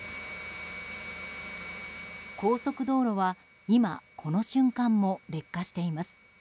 高速道路は今、この瞬間も劣化しています。